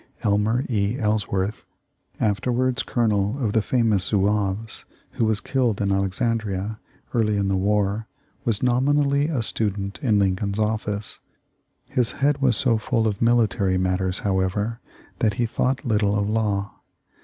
Elmer E. Ellsworth, afterwards colonel of the famous Zouaves, who was killed in Alexandria, early in the war, was nominally a student in Lincoln's office. His head was so full of ' military matters, however, that he thought little of law.